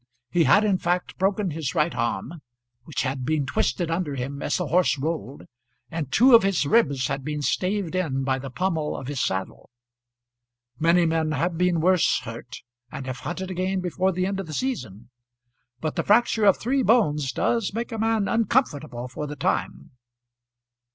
He had in fact broken his right arm which had been twisted under him as the horse rolled, and two of his ribs had been staved in by the pommel of his saddle. Many men have been worse hurt and have hunted again before the end of the season, but the fracture of three bones does make a man uncomfortable for the time.